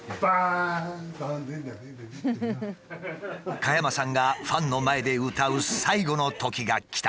加山さんがファンの前で歌う最後の時が来た。